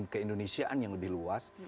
keindonesiaan yang lebih luas